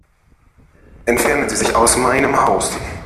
Entfernen Sie sich aus meinem Haus.